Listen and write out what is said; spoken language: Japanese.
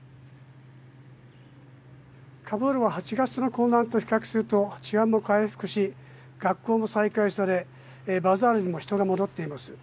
カブールは８月の混乱と比べると治安も回復し、学校も再開され、バザールにも人が戻っています。